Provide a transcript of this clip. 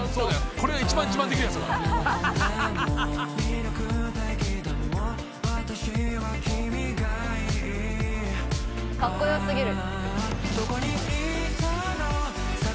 「これが一番自慢できるやつだから」「カッコよ過ぎる」